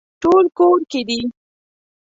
ټول کور کې دي